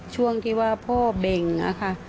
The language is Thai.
ช่วงที่ว่าพ่อเบ่งอะค่ะ